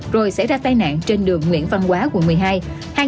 rồi xảy ra tai nạn trên đường nguyễn văn quá quận một mươi hai